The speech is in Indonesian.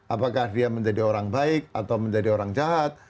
apakah dia menjadi orang baik atau menjadi orang jahat